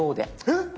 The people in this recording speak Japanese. えっ？